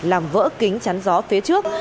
làm vỡ kính chắn gió phía trước